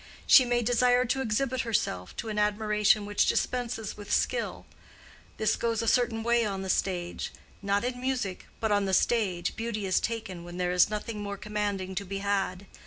She may desire to exhibit herself to an admiration which dispenses with skill. This goes a certain way on the stage: not in music: but on the stage, beauty is taken when there is nothing more commanding to be had.